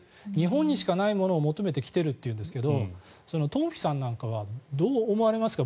日本にしかないものを求めてきているというんですがトンフィさんなんかはどう思われますか？